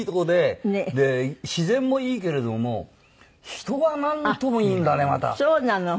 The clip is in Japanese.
で自然もいいけれども人がなんともいいんだねまた。